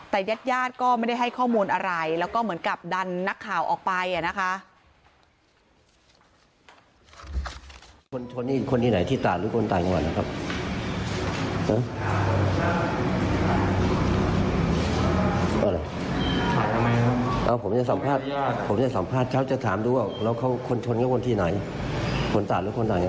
แต่ญาติญาติก็ไม่ได้ให้ข้อมูลอะไรแล้วก็เหมือนกับดันนักข่าวออกไปนะคะ